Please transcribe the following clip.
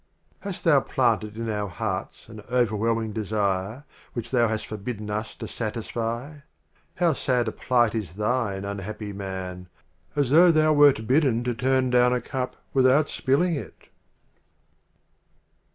LXI. Hast Thou planted in our Hearts an overwhelming Desire Which Thou hast forbidden us to satisfy ? How sad a Plight is thine, unhappy Man, As though thou wert bidden to turn down a Cup without spilling it